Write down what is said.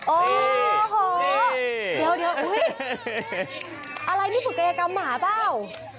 โอ้โหเดี๋ยวอุ๊ยอะไรนี่ปุกายกรรมหมาเปล่า